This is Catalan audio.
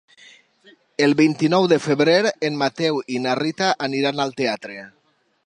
El vint-i-nou de febrer en Mateu i na Rita aniran al teatre.